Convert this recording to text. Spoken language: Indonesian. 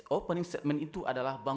opening statement itu adalah bank